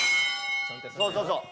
そうそうそう。